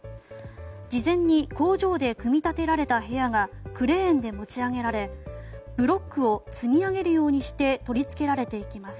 事前に工場で組み立てられた部屋がクレーンで持ち上げられブロックを積み上げるようにして取り付けられていきます。